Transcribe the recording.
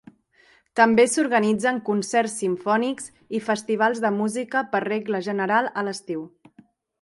També s'organitzen concerts simfònics i festivals de música, per regla general a l'estiu.